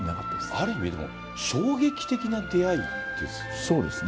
ある意味で衝撃的な出会いですね。